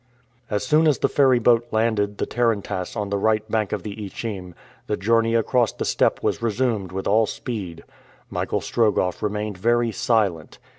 As soon as the ferryboat landed the tarantass on the right bank of the Ichim, the journey across the steppe was resumed with all speed. Michael Strogoff remained very silent.